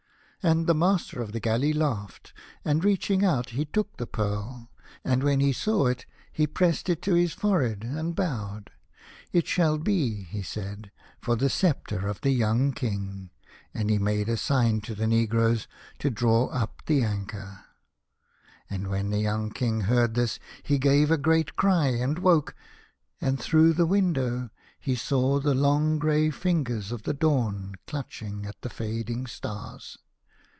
And the master of the galley laughed, and, reaching out, he took the pearl, and when he saw it he pressed it to his forehead and A House of Pomegranates. bowed. "It shall be," he said, "for the sceptre of the young King," and he made a sign to the negroes to draw up the anchor. And when the young King heard this he gave a great cry, and woke, and through the window he saw the long grey lingers of the dawn clutching at the fading stars.